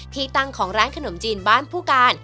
ที่ตั้งของร้านขนมจีนบ้านผู้การ